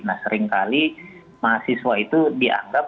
nah seringkali mahasiswa itu dianggap